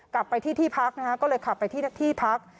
กลับไปที่ที่พักนะฮะก็เลยขับไปที่พัก